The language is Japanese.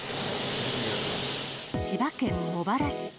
千葉県茂原市。